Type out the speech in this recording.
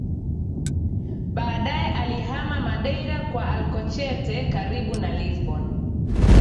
Baadaye alihama Madeira kwa Alcochete karibu na Lisbon